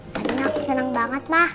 mbak din aku seneng banget ma